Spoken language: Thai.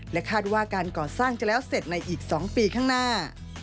คาดว่าการก่อสร้างจะแล้วเสร็จในอีก๒ปีข้างหน้า